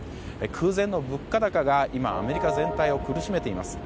空前の物価高が今、アメリカ全体を苦しめています。